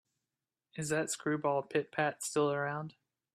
Is that screwball Pit-Pat still around?